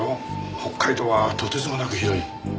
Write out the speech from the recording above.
北海道はとてつもなく広い。